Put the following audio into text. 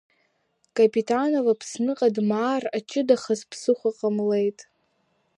Капитонов Аԥсныҟа дмаар аҷыдахаз ԥсыхәа ҟамлеит.